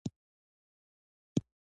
انګور د افغانستان د سیلګرۍ برخه ده.